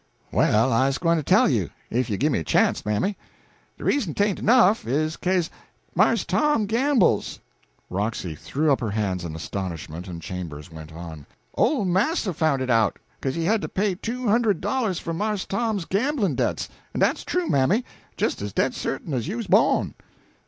"Well, I's gwine to tell you, if you gimme a chanst, mammy. De reason it ain't enough is 'ca'se Marse Tom gambles." Roxy threw up her hands in astonishment and Chambers went on "Ole marster found it out, 'ca'se he had to pay two hundred dollahs for Marse Tom's gamblin' debts, en dat's true, mammy, jes as dead certain as you's bawn."